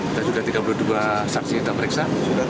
kita juga tiga puluh dua saksi yang kita periksa